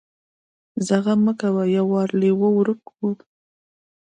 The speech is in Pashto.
ځه غم مه کوه يو وار لېوه ورک کو.